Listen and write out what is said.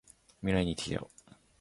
未来に行ってきたよ！